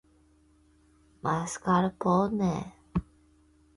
環西路